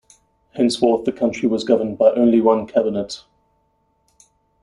Henceforth the country was governed by only one cabinet.